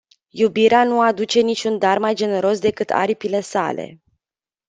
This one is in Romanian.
Iubirea nu aduce nici un dar mai generos decât aripile sale.